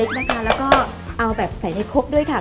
ด้วยค่ะแล้วเอาแบบใส่ในโคลด้วยค่ะ